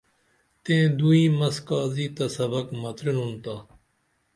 تئیں دوئیں مس قاضی تہ سبق مترنُن تا